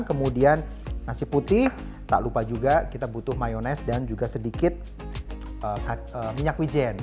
kemudian nasi putih tak lupa juga kita butuh mayonese dan juga sedikit minyak wijen